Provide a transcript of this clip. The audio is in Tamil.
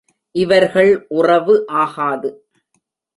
இவர்கள் உறவு ஆகாது.